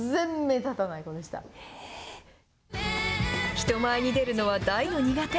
人前に出るのは大の苦手。